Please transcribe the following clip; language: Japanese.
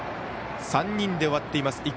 ３人で終わっています。